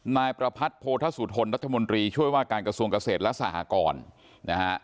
นายประพัทธ์โพธสุทนรัฐมนตรีช่วยว่าการกระทรวงเกษตรและสหกรนะฮะ